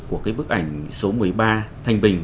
của cái bức ảnh số một mươi ba thanh bình